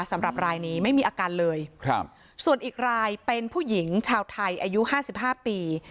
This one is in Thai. สำหรับรายนี้ไม่มีอาการเลยครับส่วนอีกรายเป็นผู้หญิงชาวไทยอายุห้าสิบห้าปี